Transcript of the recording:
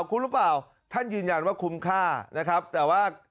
คุ้มหรือเปล่าท่านยืนยันว่าคุ้มค่านะครับแต่ว่า